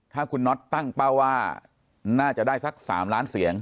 ถ้าคุณน็อตตั้งเป้าว่าน่าจะได้สัก๓ล้านเสียง